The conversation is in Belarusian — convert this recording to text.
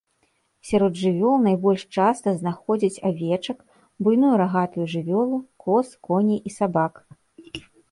Сярод жывёл найбольш часта знаходзяць авечак, буйную рагатую жывёлу, коз, коней і сабак.